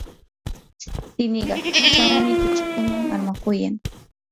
siniqachawmi kuchikuna armakuyan.